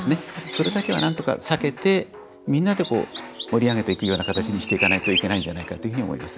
それだけはなんとか避けてみんなで盛り上げていくような形にしていかないといけないんじゃないかというふうに思います。